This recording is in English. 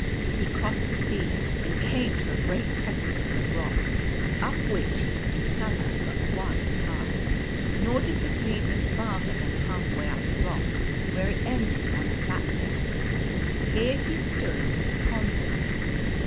He crossed the sea, and came to a great precipice of rock, up which he could discover but one path. Nor did this lead him farther than half way up the rock, where it ended on a plat 2 i 2 The Golden Key form. Here he stood and pondered.